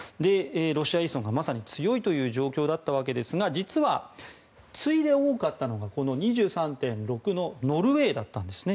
ロシア依存がまさに強いという状況だったわけですが、実は次いで多かったのが、２３．６のノルウェーだったんです。